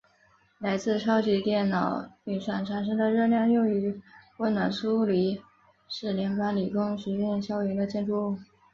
来自超级电脑运算产生的热量用于温暖苏黎世联邦理工学院校园的建筑物。